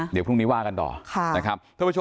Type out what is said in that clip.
เดี๋ยวพรุ่งนี้ว่ากันต่อนะครับ